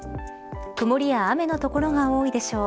曇りや雨の所が多いでしょう。